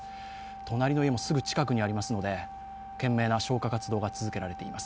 隣の家もすぐ近くにありますので懸命な消火活動が続けられています。